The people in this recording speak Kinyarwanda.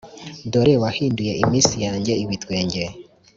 Dore wahinduye iminsi yanjye ibitwenge